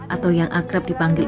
atau yang akrab dipanggil